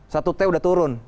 satu t udah turun